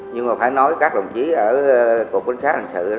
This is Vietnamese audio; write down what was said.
nhưng mà phải nói các đồng chí ở cục cảnh sát hình sự